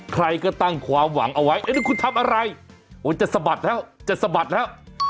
ใครก็ตั้งความหวังเอาไว้เอ๊ะคุณทำอะไรโอ้จะสะบัดแล้วจะสะบัดแล้ว